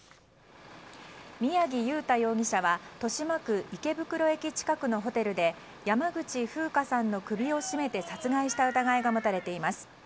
宮城祐太容疑者は豊島区池袋駅近くのホテルで山口ふうかさんの首を絞めて殺害した疑いが持たれています。